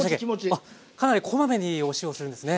かなりこまめにお塩するんですね。